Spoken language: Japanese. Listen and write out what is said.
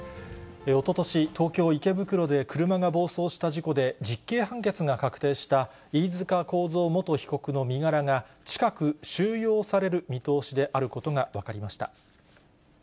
おととし、東京・池袋で車が暴走した事故で実刑判決が確定した飯塚幸三元被告の身柄が近く収容される見通しであることが分かりました。